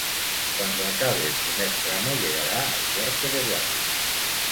Cuando acabe el primer tramo llegará al cuarto de guardia.